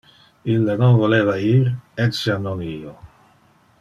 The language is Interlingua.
Ille non voleva ir, etiam non io.